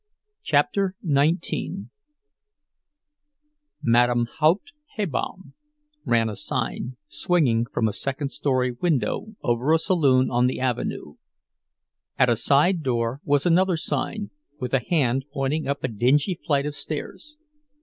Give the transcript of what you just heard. CHAPTER XIX "Madame Haupt Hebamme", ran a sign, swinging from a second story window over a saloon on the avenue; at a side door was another sign, with a hand pointing up a dingy flight of stairs.